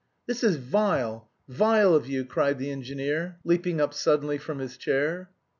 "This is vile, vile of you!" cried the engineer, leaping up suddenly from his chair.